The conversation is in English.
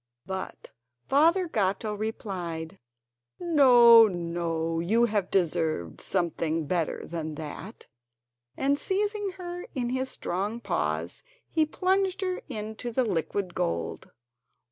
But Father Gatto replied: "No, no; you have deserved something better than that." And seizing her in his strong paws he plunged her into the liquid gold.